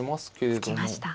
突きました。